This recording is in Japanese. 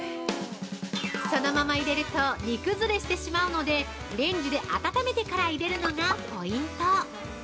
◆そのまま入れると煮崩れしてしまうのでレンジで温めてから入れるのがポイント。